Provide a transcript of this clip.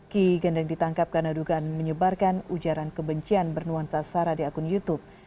ki gendeng ditangkap karena dugaan menyebarkan ujaran kebencian bernuansa sara di akun youtube